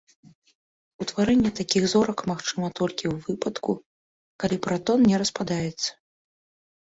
Утварэнне такіх зорак магчыма толькі ў выпадку, калі пратон не распадаецца.